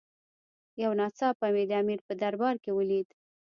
یو ناڅاپه مې د امیر په دربار کې ولید.